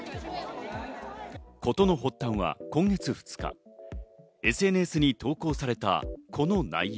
事の発端は今月２日、ＳＮＳに投稿されたこの内容。